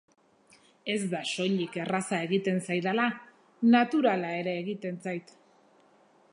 Ez da soilik erraza egiten zaidala, naturala ere egiten zait.